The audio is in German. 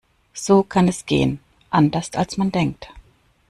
So kann es gehen. Anderst als man denkt.